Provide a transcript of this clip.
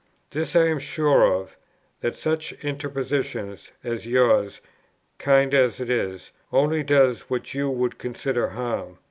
"This I am sure of, that such interposition as yours, kind as it is, only does what you would consider harm.